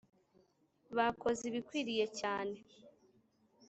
Bakoze ibikwiriye cyane